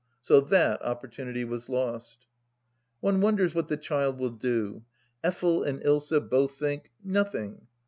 So that opportunity was lost. One wonders what the child will do. Effel and Ilsa both think. Nothing